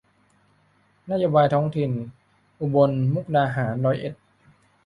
นโยบายท้องถิ่น อุบลมุกดาหารร้อยเอ็ด